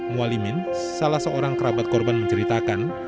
mualimin salah seorang kerabat korban menceritakan